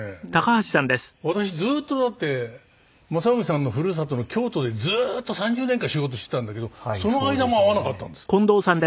私ずっとだって正臣さんのふるさとの京都でずーっと３０年間仕事していたんだけどその間も会わなかったんですもん。